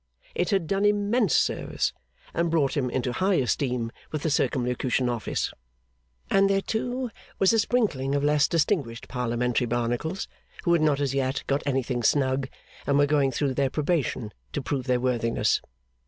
It had done immense service, and brought him into high esteem with the Circumlocution Office. And there, too, was a sprinkling of less distinguished Parliamentary Barnacles, who had not as yet got anything snug, and were going through their probation to prove their worthiness.